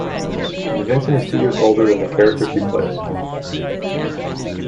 Vincent is two years older than the character she plays.